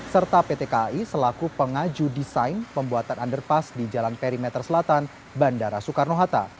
serta pt kai selaku pengaju desain pembuatan underpass di jalan perimeter selatan bandara soekarno hatta